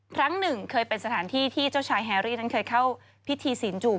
ครั้งหนึ่งเคยเป็นสถานที่ที่เจ้าชายแฮรี่นั้นเคยเข้าพิธีศีลจูบ